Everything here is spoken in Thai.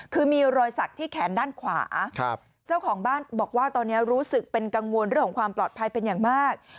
คือมีรอยสักที่แขนด้านขวาเจ้าของบ้านบอกว่าตอนนี้รู้สึกเป็นกังวลเรื่องของความปลอดภัยเป็นอย่างมาก